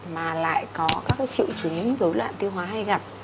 mà lại có các triệu chứng dối loạn tiêu hóa hay gặp